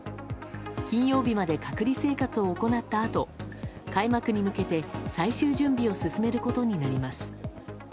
金曜日まで隔離生活を行ったあと開幕に向けて最終準備を進めることになります。